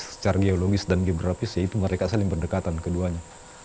secara geologis dan geografis ya itu mereka saling berdekatan keduanya